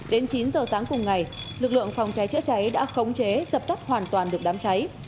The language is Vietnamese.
đến chín giờ sáng cùng ngày lực lượng phòng cháy chữa cháy đã khống chế dập tắt hoàn toàn được đám cháy